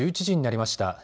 １１時になりました。